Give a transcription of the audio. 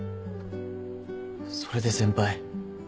それで先輩。